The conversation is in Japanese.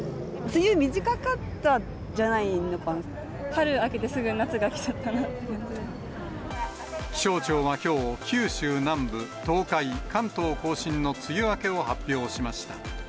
梅雨、春明けて、すぐ夏が来ちゃっ気象庁はきょう、九州南部、東海、関東甲信の梅雨明けを発表しました。